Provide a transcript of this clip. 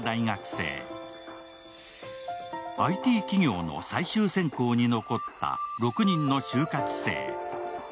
ＩＴ企業の最終選考に残った６人の就活生。